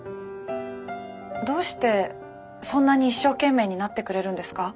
どうしてそんなに一生懸命になってくれるんですか？